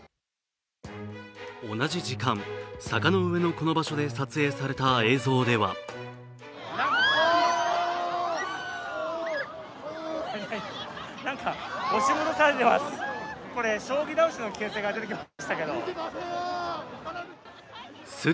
同じ時間、坂の上のこの場所で撮影された映像ではなんか押し戻されてます。